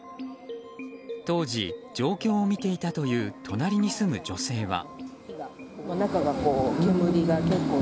当時、状況を見ていたという隣に住む女性は。